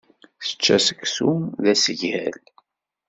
Tečča seksu d asgal.